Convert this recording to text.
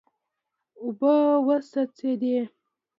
اوبه وڅڅېدې.